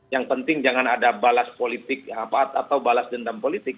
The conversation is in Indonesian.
yang penting jangan ada balas politik atau balas dendam politik